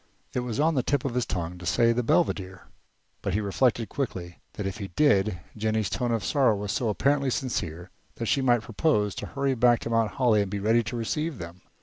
It was on the tip of his tongue to say the Belvedere, but he reflected quickly that if he did Jennie's tone of sorrow was so apparently sincere that she might propose to hurry back to Mount Holly and be ready to receive them.